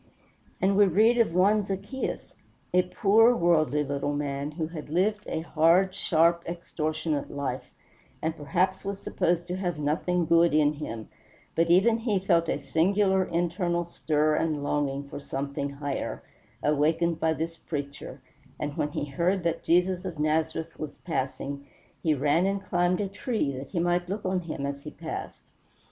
And we read of one Zaccheus, a poor worldly little man, who had lived a hard, sharp, extortionate life, and perhaps was supposed to have nothing good in him; but even he felt a singular internal stir and longing for something higher, awakened by this preacher, and when he heard that Jesus of Nazareth was passing he ran and climbed a tree that he might look on him as he passed.